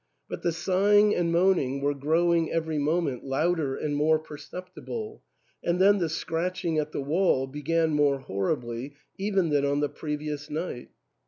But the sighing and moaning were growing every moment louder and more perceptible, and then the scratching at the wall began more horribly even than on the pre vious night.